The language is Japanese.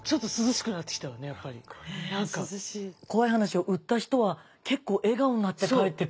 怖い話を売った人は結構笑顔になって帰ってくって。